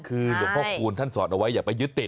คือหลวงพ่อคูณท่านสอนเอาไว้อย่าไปยึดติด